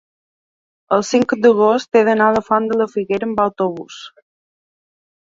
El cinc d'agost he d'anar a la Font de la Figuera amb autobús.